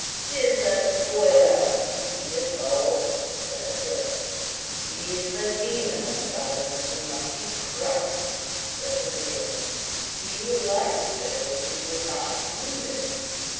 'tis a spoiler of beauty, this hole," said a fifth. "She is the demon of stubbornness, and must be crushed," said the jailer; "she likes it, or she would not choose it."